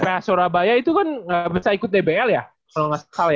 iph surabaya itu kan gak bisa ikut dbl ya kalau gak salah ya